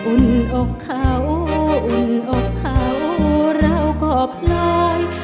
อุ่นอกเขาอุ่นอกเขาเราก็พลอย